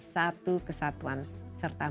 satu kesatuan serta